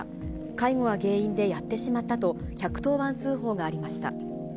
介護が原因でやってしまったと、１１０番通報がありました。